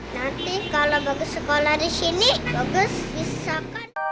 nanti kalau bagus sekolah disini bagus bisa kan